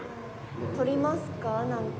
撮りますか？